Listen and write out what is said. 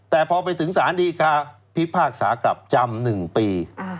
แต่พอไปถึงสารดีกาพิพากษากลับจำ๑ปี